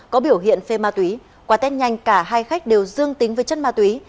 có biểu hiện phê ma túy qua tết nhanh cả hai khách đều dương tính với chất ma túy